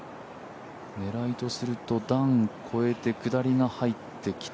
狙いとすると段を越えて下りが入ってきて。